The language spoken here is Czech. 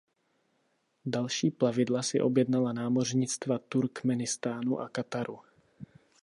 Další plavidla si objednala námořnictva Turkmenistánu a Kataru.